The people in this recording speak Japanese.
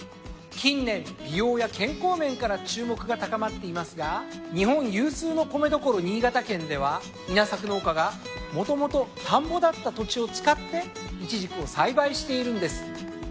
近年美容や健康面から注目が高まっていますが日本有数の米どころ新潟県では稲作農家がもともと田んぼだった土地を使ってイチジクを栽培しているんです。